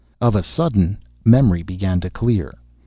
Of a sudden, memory began to clear.